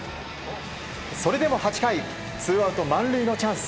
それでも８回ツーアウト満塁のチャンス。